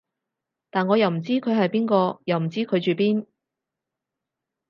但我又唔知佢係邊個，又唔知佢住邊